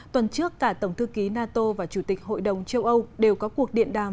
tuần trước cả tổng thư ký nato và chủ tịch hội đồng châu âu đều có cuộc điện đàm